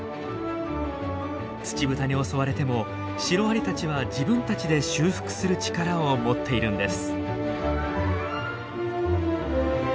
ツチブタに襲われてもシロアリたちは自分たちで修復する力を持っているんです。